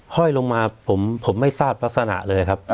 ห้อยลงมาผมไม่ทราบลักษณะเลยครับ